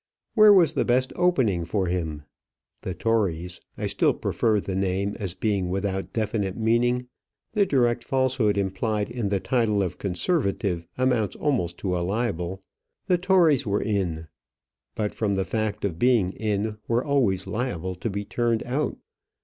Where was the best opening for him? The Tories I still prefer the name, as being without definite meaning; the direct falsehood implied in the title of Conservative amounts almost to a libel the Tories were in; but from the fact of being in, were always liable to be turned out.